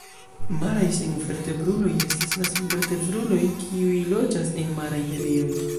Maraj senvertebruloj estas la senvertebruloj kiuj loĝas en maraj medioj.